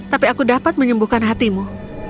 tapi aku dapat menyembuhkan hatimu